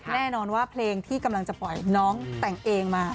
แน่นอนว่าเพลงที่กำลังจะปล่อยน้องแต่งเองมา